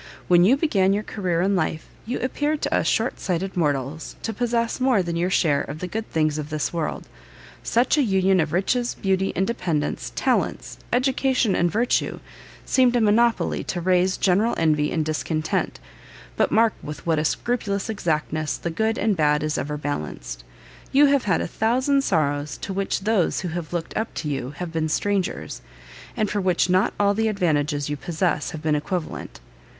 When you began your career in life, you appeared to us short sighted mortals, to possess more than your share of the good things of this world; such a union of riches, beauty, independence, talents, education and virtue, seemed a monopoly to raise general envy and discontent; but mark with what scrupulous exactness the good and bad is ever balanced! You have had a thousand sorrows to which those who have looked up to you have been strangers, and for which not all the advantages you possess have been equivalent.